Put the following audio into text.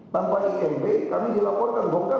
tanpa imp kami dilaporkan bongkar